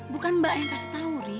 bukan mbak yang kasih tahu ri